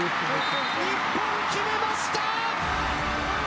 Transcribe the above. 日本、決めました！